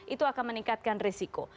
itu akan meningkatkan resiko